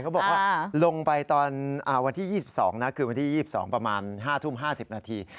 เขาบอกว่าลงไปตอนวันที่๒๒นะคือวันที่๒๒ประมาณ๕ทุ่ม๕๐นาที